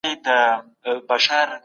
ښوونځي د ماشوم شخصیت ته ښه بڼه ورکوي.